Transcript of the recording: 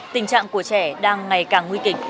tình trạng của trẻ đang ngày càng nguy kịch